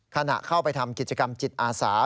ขณะเข้าไปทำกิจกรรมจิตอาสา